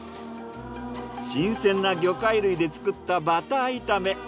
新鮮な魚介類で作ったバター炒め